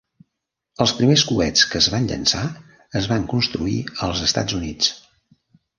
Els primers coets que es van llançar es van construir als Estats Units.